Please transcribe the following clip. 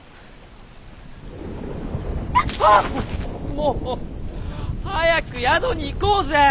もう早く宿に行こうぜ。